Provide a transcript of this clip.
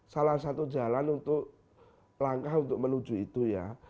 salah satu jalan untuk langkah untuk menuju itu ya